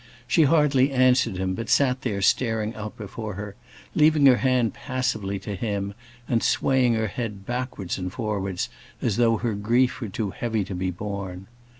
She hardly answered him, but sat there staring out before her, leaving her hand passively to him, and swaying her head backwards and forwards as though her grief were too heavy to be borne.